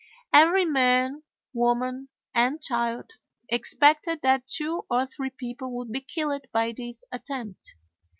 Every man, woman, and child expected that two or three people would be killed by this attempt.